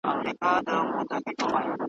علاج یې نه کیږي.